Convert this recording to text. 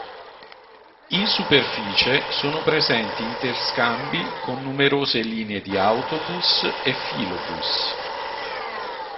In superficie sono presenti interscambi con numerose linee di autobus e filobus.